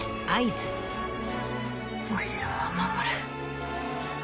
お城は守る。